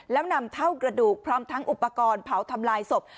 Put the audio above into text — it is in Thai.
แล้วนำเท่ากระดูกพร้อมทั้งอุปกรณ์เผาทำลายศพ